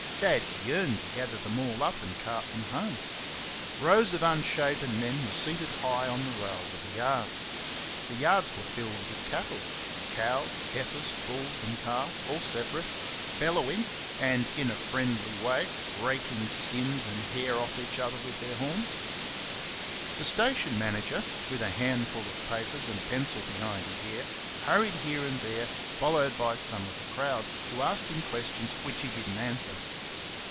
Dad yearned to gather them all up and cart them home. Rows of unshaven men were seated high on the rails of the yards. The yards were filled with cattle cows, heifers, bulls, and calves, all separate bellowing, and, in a friendly way, raking skins and hair off each other with their horns. The station manager, with a handful of papers and a pencil behind his ear, hurried here and there, followed by some of the crowd, who asked him questions which he did n't answer.